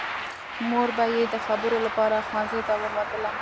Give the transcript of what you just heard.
مور به یې د خبرو لپاره ښوونځي ته ورتله